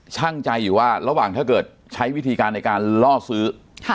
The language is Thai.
ช่างใจอยู่ว่าระหว่างถ้าเกิดใช้วิธีการในการล่อซื้อ